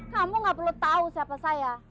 kamu gak perlu tahu siapa saya